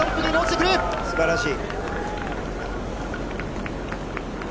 すばらしい。